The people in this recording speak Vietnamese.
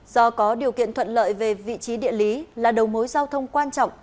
do có điều kiện thuận lợi về vị trí địa lý là đầu mối giao thông quan trọng